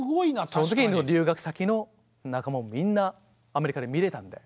その時に留学先の仲間もみんなアメリカで見れたので。